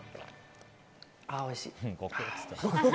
おいしい。